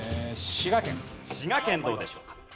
滋賀県どうでしょうか？